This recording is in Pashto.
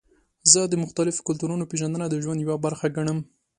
زه د مختلفو کلتورونو پیژندنه د ژوند یوه برخه ګڼم.